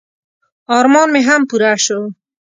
ارمان مې هم پوره شو.